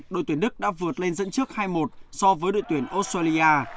đội tuyển đức đã vượt lên dẫn trước hai một so với đội tuyển australia